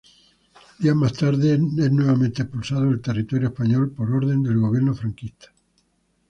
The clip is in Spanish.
Días más tarde es nuevamente expulsado del territorio español por orden del gobierno franquista.